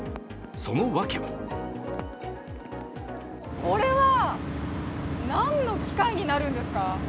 その訳はこれは何の機械になるんですか。